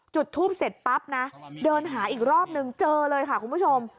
จุดทูปเสร็จปั๊บนะเดินหาอีกรอบนึงเจอเลยค่ะคุณผู้ชม